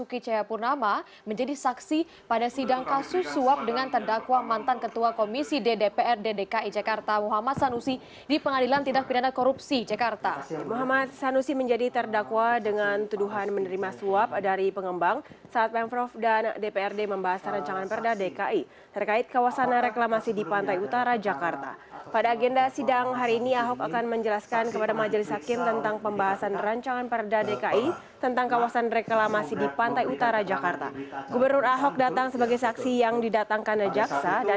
gubernur ahok datang sebagai saksi yang didatangkan rejaksa dari komisi pemberantasan korupsi kpk